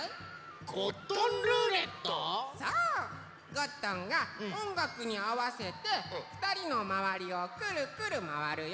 ゴットンがおんがくにあわせてふたりのまわりをくるくるまわるよ。